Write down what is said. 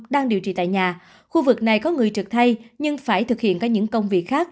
đang điều trị tại nhà khu vực này có người trực thay nhưng phải thực hiện có những công việc khác